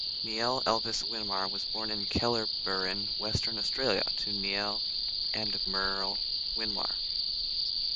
Neil Elvis Winmar was born in Kellerberrin, Western Australia, to Neil and Meryle Winmar.